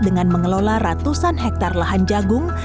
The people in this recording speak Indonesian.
dengan mengelola ratusan hektare lahan jagung